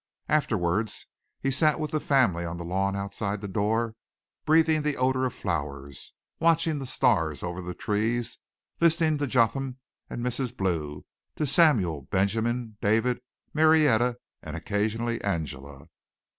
Afterwards he sat with the family on the lawn outside the door, breathing the odor of flowers, watching the stars over the trees, listening to Jotham and Mrs. Blue, to Samuel, Benjamin, David, Marietta and occasionally Angela.